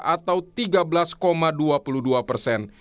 atau tiga belas dua puluh dua persen